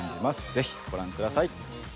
是非ご覧ください。